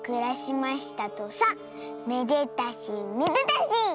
めでたしめでたし！」。